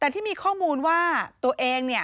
ที่มีข้อมูลว่าตัวเอง